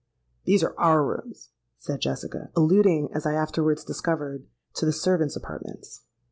'These are our rooms,' said Jessica—alluding, as I afterwards discovered, to the servants' apartments.